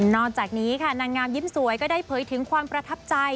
นอกจากนี้ค่ะนางงามยิ้มสวยก็ได้เผยถึงความประทับใจ